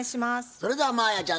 それでは真彩ちゃん